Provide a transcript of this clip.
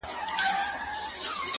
د نيمي شپې د خاموشۍ د فضا واړه ستـوري.!